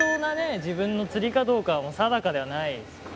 自分の釣りかどうかは定かではないですよね。